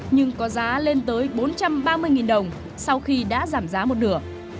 nhưng có giá lên tới bốn trăm ba mươi đồng sau khi đã giảm giá một nửa